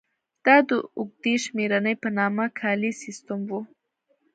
دا د اوږدې شمېرنې په نامه کالیز سیستم و.